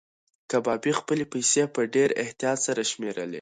کبابي خپلې پیسې په ډېر احتیاط سره شمېرلې.